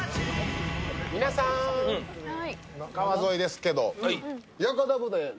皆さん、川沿いですけど。